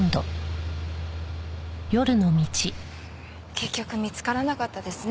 結局見つからなかったですね